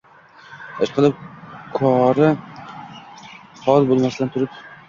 Ishqilib, kori hol bo’lmasdan turib